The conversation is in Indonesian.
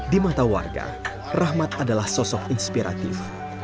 di mata warga rahmat adalah sosok inspiratif